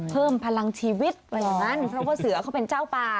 เพิ่มพลังชีวิตว่าอย่างนั้นเพราะว่าเสือเขาเป็นเจ้าป่า